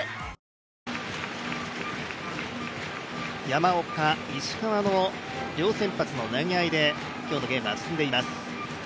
山岡、石川の両先発の投げ合いで今日のゲームは進んでいます。